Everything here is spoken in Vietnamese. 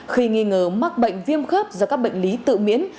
khi nghi ngờ mắc bệnh viêm khớp do các bệnh lý tự miễn